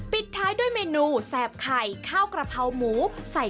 ปิดท้ายด้วยเมนูแสบไข่ข้าวกระเพราหมูใส่